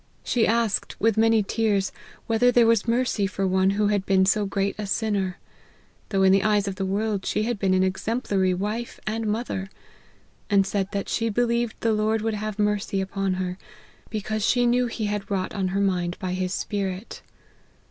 She asked, with many tears, whether there was mercy for one who had been so great a sinner ; though in the eyes of the world she had been an exemplary wife and mother ; and said that she believed the Lord would have mercy upon her, because she knew he had wrought on her mind LIFE OF HENRY MARTYN. 105 by His Spirit.